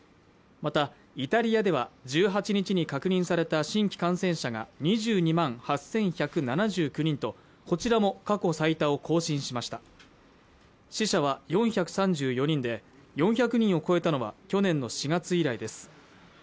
またイタリアでは１８日に確認された新規感染者が２２万８１７９人とこちらも過去最多を更新しました死者は４３４人で４００人を超えたのは去年の４月以来です